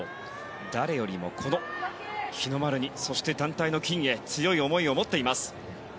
誰よりも、この日の丸にそして団体の金へ強い思いを持っています。